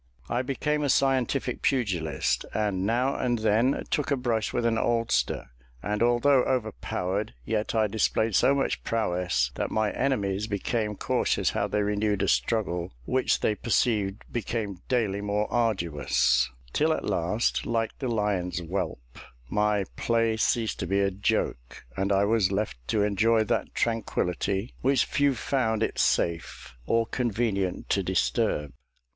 I became a scientific pugilist, and now and then took a brush with an oldster; and although overpowered, yet I displayed so much prowess, that my enemies became cautious how they renewed a struggle which they perceived became daily more arduous; till at last, like the lion's whelp, my play ceased to be a joke, and I was left to enjoy that tranquillity, which few found it safe or convenient to disturb.